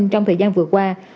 trong thời gian vừa qua